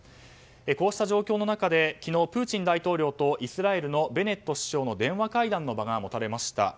こうした状況の中で昨日、プーチン大統領とイスラエルのベネット首相の電話会談の場が持たれました。